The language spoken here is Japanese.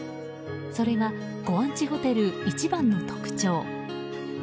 それがご安置ホテル一番の特徴。